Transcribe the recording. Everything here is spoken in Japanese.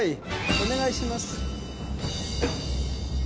お願いします。